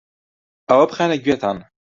ئەوە بخەنە گوێتان